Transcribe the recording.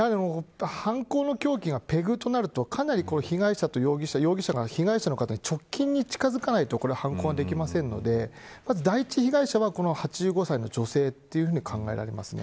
犯行の凶器がペグとなるとかなり容疑者が被害者の方に直近に近づかないと犯行ができませんので第１次被害者が８５歳の女性というふうに考えられますね。